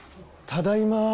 ただいま。